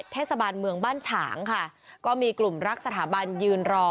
เทศบาลเมืองบ้านฉางค่ะก็มีกลุ่มรักสถาบันยืนรอ